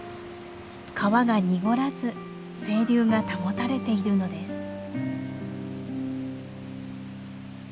川が濁らず清流が保たれているのです。